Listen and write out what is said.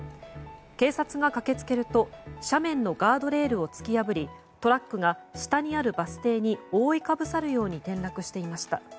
警察が駆け付けると斜面のガードレールを突き破りトラックが下にあるバス停に覆いかぶさるように転落していました。